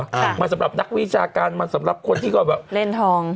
ค่ะมาสำหรับนักวิชาการมันสำหรับคนที่ก็แบบเล่นทอง